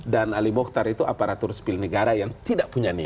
dan ali muhtar itu aparatur sepil negara yang tidak punya nip